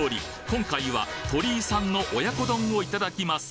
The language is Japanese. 今回はとり伊さんの親子丼をいただきます